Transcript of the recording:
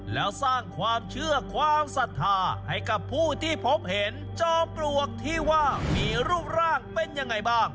แล้วสร้างความเชื่อความศรัทธาให้กับผู้ที่พบเห็นจอมปลวกที่ว่ามีรูปร่างเป็นยังไงบ้าง